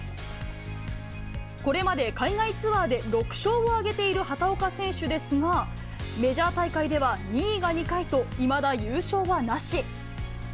これまで海外ツアーで６勝を挙げている畑岡選手ですが、メジャー大会では２位が２回と、いまだ優勝はなし。